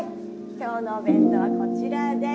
今日のお弁当はこちらです。